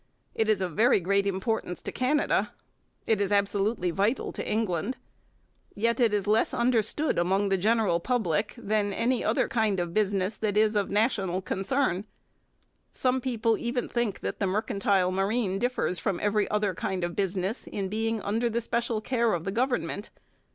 It is of very great importance to Canada. It is absolutely vital to England. Yet it is less understood among the general public than any other kind of business that is of national concern. Some people even think that the mercantile marine differs from every other kind of business in being under the special care of the government.